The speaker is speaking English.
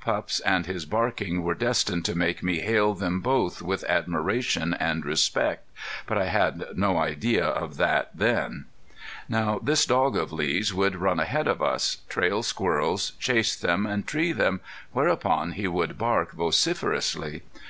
Pups and his barking were destined to make me hail them both with admiration and respect, but I had no idea of that then. Now this dog of Lee's would run ahead of us, trail squirrels, chase them, and tree them, whereupon he would bark vociferously.